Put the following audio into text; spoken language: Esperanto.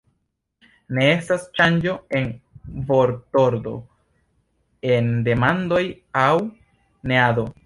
Ne estas ŝanĝo en vortordo en demandoj aŭ neado.